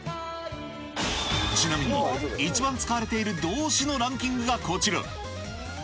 ちなみに、一番使われている動詞のランキングがこちら。